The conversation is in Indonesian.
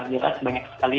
jelas banyak sekali